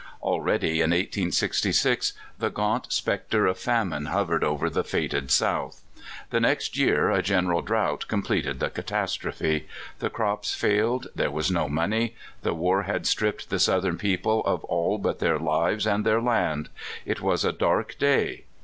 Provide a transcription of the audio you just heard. Already in 1866 the gaunt specter of Famine hov ered over the fated South. The next year a gen eral drought completed the catastrophe. The crops failed, there was no money, the war had stripped the Southern people of all but their lives and their land. It was a dark day.